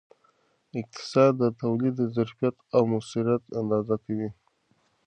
اقتصاد د تولید ظرفیت او موثریت اندازه کوي.